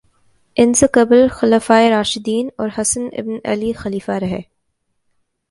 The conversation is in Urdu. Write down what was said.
ان سے قبل خلفائے راشدین اور حسن ابن علی خلیفہ رہے